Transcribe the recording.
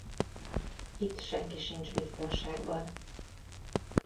Itt senki sincs biztonságban.